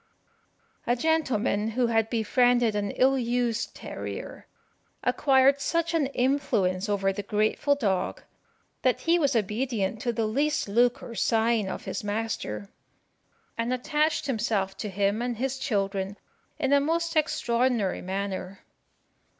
A gentleman who had befriended an ill used terrier acquired such an influence over the grateful dog, that he was obedient to the least look or sign of his master, and attached himself to him and his children in a most extraordinary manner.